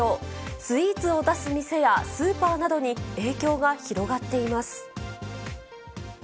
スイーツを出す店やスーパーなどに影響が広がっています。